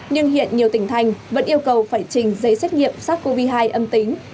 nhưng hiện nhiều tỉnh thành vẫn yêu cầu phải trình giấy xét nghiệm sars cov hai âm tính